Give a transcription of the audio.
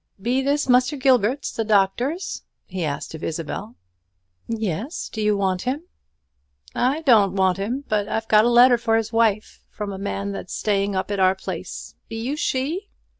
"Be this Muster Gilbert's the doctor's?" he asked of Isabel. "Yes; do you want him?" "I doan't want him; but I've got a letter for his wife, from a man that's staying up at our place. Be you she?"